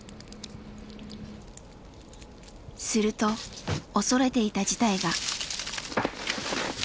すると恐れていた事態が。